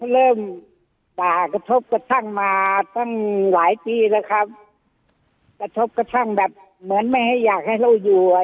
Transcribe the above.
ป่ากระทบกระทั่งมาตั้งหลายปีแล้วครับกระทบกระทั่งแบบเหมือนไม่ให้อยากให้เราอยู่อ่ะ